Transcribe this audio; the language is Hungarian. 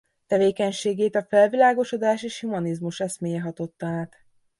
Tevékenységét a felvilágosodás és humanizmus eszméje hatotta át.